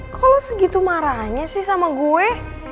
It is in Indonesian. kok lo segitu marahnya sih sama gue